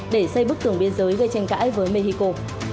để xây bức tường biên giới gây tranh cãi với mexico